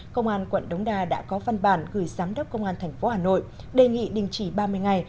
công an quận đống đa đã có văn bản gửi giám đốc công an tp hà nội đề nghị đình chỉ ba mươi ngày